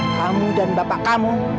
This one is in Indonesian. kamu dan bapak kamu